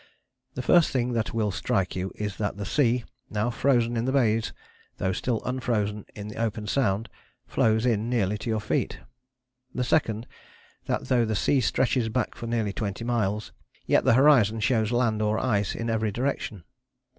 The first thing that will strike you is that the sea, now frozen in the bays though still unfrozen in the open sound, flows in nearly to your feet. The second, that though the sea stretches back for nearly twenty miles, yet the horizon shows land or ice in every direction.